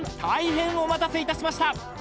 大変お待たせいたしました］